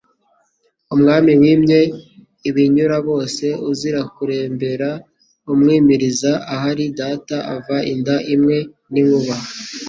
Umwami wimye ibinyuraboseUzira kurembera umwimiriziAhari data ava inda imwe n' inkuba